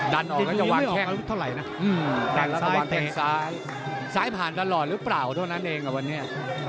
ดันออกแล้วจะวางแค่สายผ่านตลอดหรือเปล่าเท่านั้นเองอ่ะวันนี้